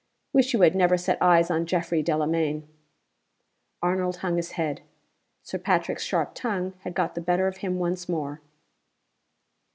"Wish you had never set eyes on Geoffrey Delamayn." Arnold hung his head. Sir Patrick's sharp tongue had got the better of him once more.